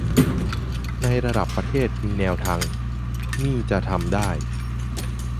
ในระดับประเทศมีแนวทางมี่จะทำได้